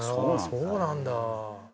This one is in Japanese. そうなんだ。